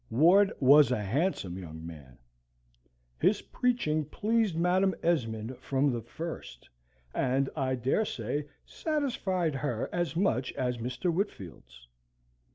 Ward was a handsome young man. His preaching pleased Madam Esmond from the first, and, I daresay, satisfied her as much as Mr. Whitfield's.